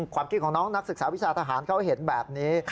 ความคิดของน้องนักศึกษาวิชาทหารเขาเห็นแบบนี้